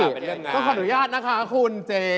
เป็นเรื่องงานค่ะเป็นเรื่องงานแล้วขออนุญาตนะคะคุณเจฟ